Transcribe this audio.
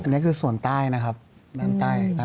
อันนี้คือส่วนใต้นะครับด้านใต้